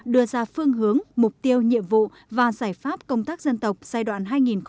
đưa ra phương hướng mục tiêu nhiệm vụ và giải pháp công tác dân tộc giai đoạn hai nghìn hai mươi một hai nghìn ba mươi